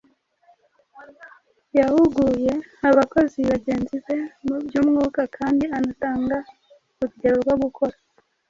Yahuguye abakozi bagenzi be mu by’umwuka kandi anatanga urugero rwo gukora.